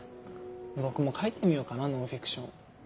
僕も書いてみようかなノンフィクション。